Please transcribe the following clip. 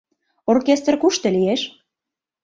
— Оркестр кушто лиеш?